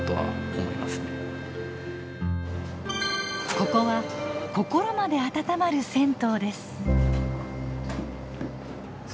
ここは心まであたたまる銭湯です。